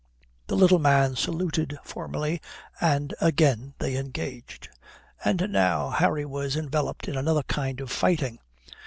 The little man saluted formally and again they engaged. And now Harry was enveloped in another kind of fighting.